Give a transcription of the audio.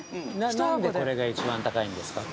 ◆なんでこれが一番高いんですか。